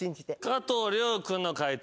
加藤諒君の解答